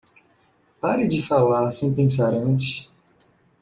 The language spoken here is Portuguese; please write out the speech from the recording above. Pare de falar sem pensar antes.